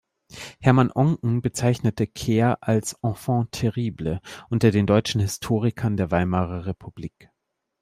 Hermann Oncken bezeichnete Kehr als „enfant terrible“ unter den deutschen Historikern der Weimarer Republik.